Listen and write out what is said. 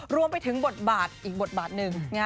รวมไปถึงบทบาทอีกบทบาทหนึ่ง